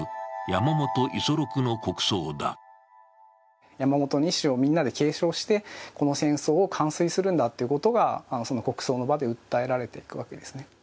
山本の遺志をみんなで継承してこの戦争を完遂するんだということが国葬の場で訴えられていくんですね。